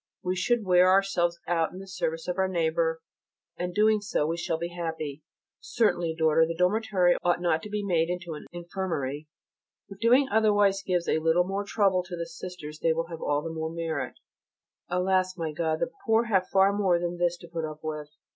We should wear ourselves out in the service of our neighbour, and doing so we shall be happy. Certainly, daughter, the dormitory ought not to be made into an infirmary: if doing otherwise gives a little more trouble to the sisters they will have all the more merit. Alas! my God, the poor have far more than this to put up with.